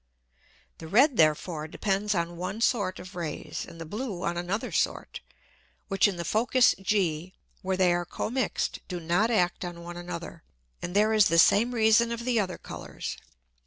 The red therefore depends on one sort of Rays, and the blue on another sort, which in the Focus G where they are commix'd, do not act on one another. And there is the same Reason of the other Colours.